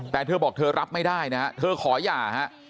แต่เธอบอกเธอรับไม่ได้นะฮะเธอขอหย่าฮะ